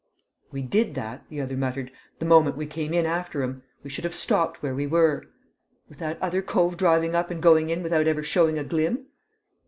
"We did that," the other muttered, "the moment we came in after 'em. We should've stopped where we were." "With that other cove driving up and going in without ever showing a glim?"